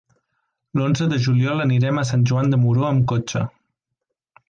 L'onze de juliol anirem a Sant Joan de Moró amb cotxe.